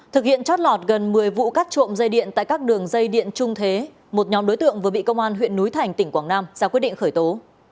thực hiện chót lọt gần một mươi vụ cắt trộm dây điện tại các đường dây điện trung thế một nhóm đối tượng vừa bị công an huyện núi thành tỉnh quảng nam ra quyết định khởi tố